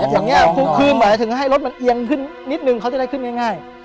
อย่างนี้คือหมายถึงให้รถมันเอียงขึ้นนิดนึงเขาจะได้ขึ้นง่าย